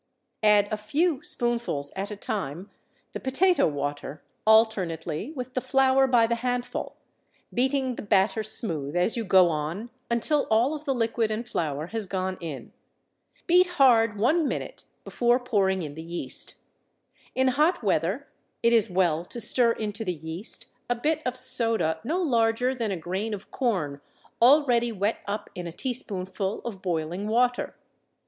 Add a few spoonfuls at a time, the potato water alternately with the flour by the handful, beating the batter smooth as you go on until all of the liquid and flour has gone in. Beat hard one minute before pouring in the yeast. In hot weather, it is well to stir into the yeast a bit of soda no larger than a grain of corn already wet up in a teaspoonful of boiling water.